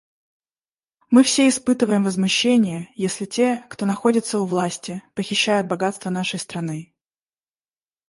Мы все испытываем возмущение, если те, кто находится у власти, похищают богатства нашей страны.